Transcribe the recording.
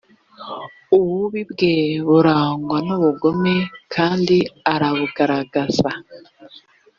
ububi bwe burangwa n’ubugome kandi aranabugaragaza